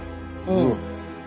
うん。